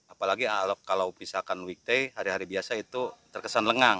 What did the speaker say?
apalagi kalau pisahkan weekday hari hari biasa itu terkesan lengang